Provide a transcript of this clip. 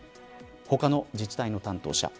他の自治体の担当者。